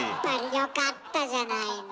よかったじゃないの。